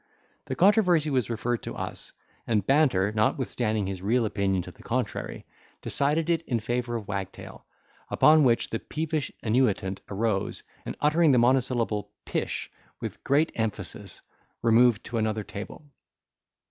The controversy was referred to us; and Banter, notwithstanding his real opinion to the contrary, decided it in favour of Wagtail; upon which the peevish annuitant arose, and uttering the monosyllable pish! with great emphasis, removed to another table.